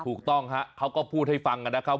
ถูกต้องเขาก็พูดให้ฟังกัน